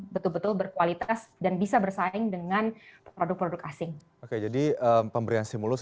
betul betul berkualitas dan bisa bersaing dengan produk produk asing oke jadi pemberian stimulus